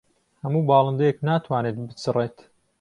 هەموو باڵندەیەک ناتوانێت بچڕێت.